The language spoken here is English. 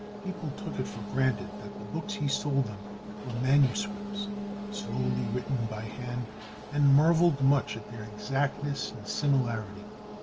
People took it for granted that the books he sold them were manuscripts, slowly written by hand; and marveled much at their exactness and similarity.